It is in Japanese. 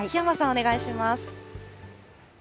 お願いします。